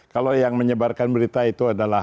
kalau yang menyebarkan berita itu adalah